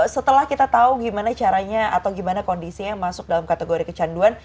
setelah kita tahu gimana caranya atau gimana kondisinya yang masuk dalam kategori kecanduan